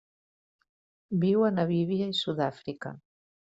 Viu a Namíbia i Sud-àfrica.